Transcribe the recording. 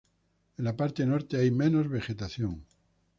En la parte norte hay menos vegetación.